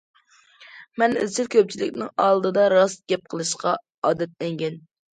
مەن ئىزچىل كۆپچىلىكنىڭ ئالدىدا راست گەپ قىلىشقا ئادەتلەنگەن.